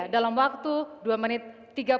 dalam waktu dua menit